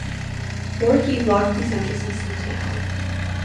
Four keys locked these entrances to the town.